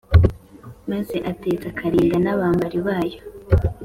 maze atetsa kalinga n’abambari bayo